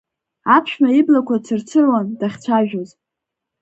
Аԥшәма иблақәа цырцыруан дахьцәажәоз.